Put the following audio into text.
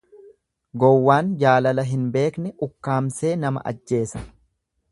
Gowwaan jaalala hin beekne ukkaamsee nama ajjeesa.